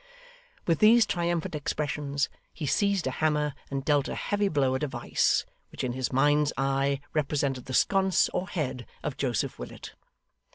With these triumphant expressions, he seized a hammer and dealt a heavy blow at a vice, which in his mind's eye represented the sconce or head of Joseph Willet.